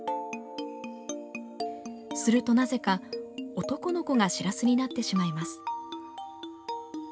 するとなぜか、男の子がしらすになってしまいます。